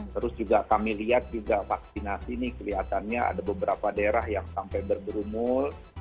terus juga kami lihat juga vaksinasi ini kelihatannya ada beberapa daerah yang sampai berumul